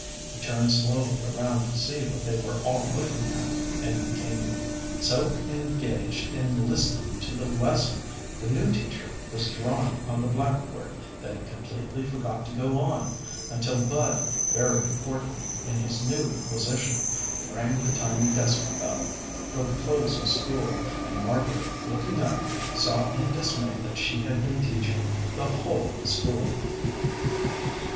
He turned slowly around to see what they were all looking at, and became so engaged in listening to the lesson the new teacher was drawing on the blackboard that he completely forgot to go on, until Bud, very important in his new position, rang the tiny desk bell for the close of school, and Margaret, looking up, saw in dismay that she had been teaching the whole school.